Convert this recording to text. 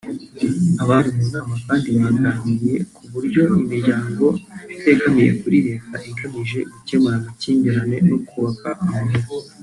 Abari mu nama kandi baganiriye ku buryo imiryango itegamiye kuri Leta igamije gukemura amakimbirane no kubaka amahoro